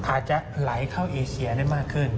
อาจจะไหลเข้าเอเชียได้มากขึ้น